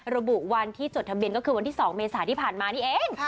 ระบุวันที่จดทะเบียนก็คือวันที่๒เมษาที่ผ่านมานี่เอง